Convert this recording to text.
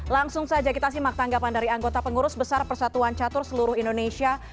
langsung saja kita simak tanggapan dari anggota pengurus besar persatuan catur seluruh indonesia